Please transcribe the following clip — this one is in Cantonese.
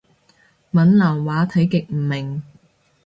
閩南話睇極唔明